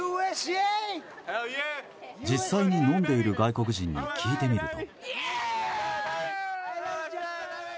実際に飲んでいる外国人に聞いてみると。